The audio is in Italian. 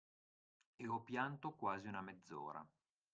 E ho pianto quasi una mezz’ora.